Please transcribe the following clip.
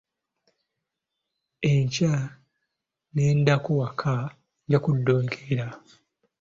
Enkya ŋŋendako waka nja kudda enkeera.